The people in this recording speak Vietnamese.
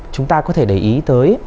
chúng ta có thể để ý tới